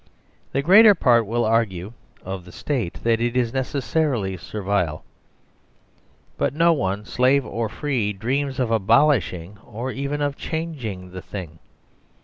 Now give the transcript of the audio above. The greater part will argue of the State that it is necessarily Servile. But no one, slave or free, dreams of abolishing or even of changing the thing.